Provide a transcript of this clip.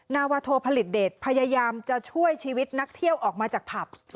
นาวาโทผลิตเดชพยายามจะช่วยชีวิตนักเที่ยวออกมาจากผับ